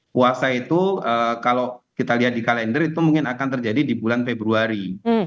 puasa itu kalau kita lihat di kalender itu mungkin akan terjadi di bulan februari